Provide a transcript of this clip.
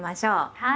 はい。